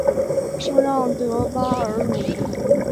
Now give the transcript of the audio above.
圣让德巴尔鲁。